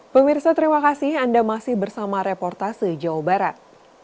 pemirsa terima kasih anda masih bersama reportase jawa barat